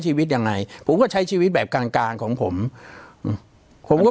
ชีวิตยังไงผมก็ใช้ชีวิตแบบกลางกลางของผมผมก็